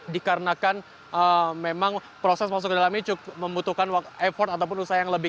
dikarenakan memang proses masuk ke dalam ini membutuhkan effort ataupun usaha yang lebih